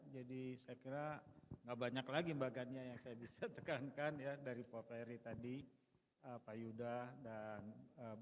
jadi saya kira enggak banyak lagi mbak kania yang saya bisa tekankan ya dari pak ferry tadi pak yuda dan bu rizwan